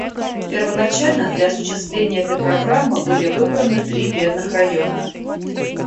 Первоначально для осуществления этой программы были выбраны три бедных района.